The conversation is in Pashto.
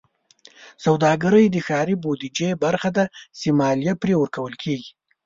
سوداګرۍ د ښاري بودیجې برخه ده چې مالیه پرې ورکول کېږي.